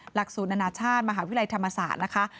หลักสูตรอนาชาติมหาวิทยาลัยธรรมศาสตร์นะคะ